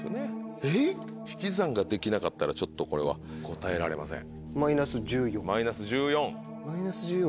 引き算ができなかったらちょっとこれは答えられません。